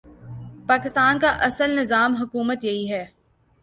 پاکستان کا اصل نظام حکومت یہی ہے۔